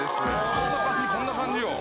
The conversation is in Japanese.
こんな感じこんな感じよ。